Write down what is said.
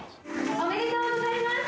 おめでとうございます。